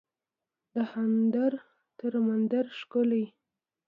دهاندر تر مندر ښکلی